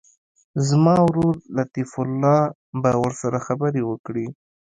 زما ورور لطیف الله به ورسره خبرې وکړي.